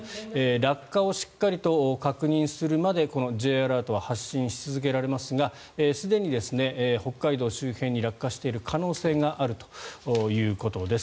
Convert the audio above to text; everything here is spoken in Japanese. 落下をしっかりと確認するまでこのＪアラートは発信し続けられますがすでに北海道周辺に落下している可能性があるということです。